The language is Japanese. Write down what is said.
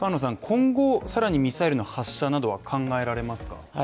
今後、更にミサイルの発射などは考えられますか？